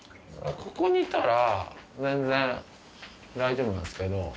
ここにいたら全然大丈夫なんですけど。